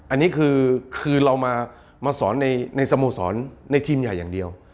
อันนี้คือเรามาสอนในสโมสรในทีมใหญ่อย่างเดียว